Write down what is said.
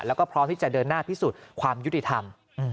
แล้วก็พร้อมที่จะเดินหน้าพิสูจน์ความยุติธรรม